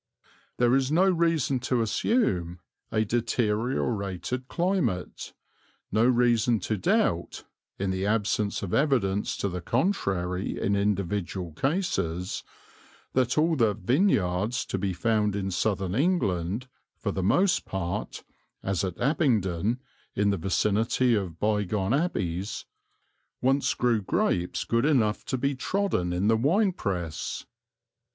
There is no reason to assume a deteriorated climate, no reason to doubt (in the absence of evidence to the contrary in individual cases) that all the "vineyards" to be found in Southern England, for the most part, as at Abingdon, in the vicinity of bygone abbeys, once grew grapes good enough to be trodden in the wine press.